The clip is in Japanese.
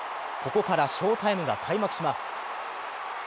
ここから翔タイムが開幕します。